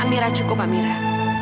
amira cukup amira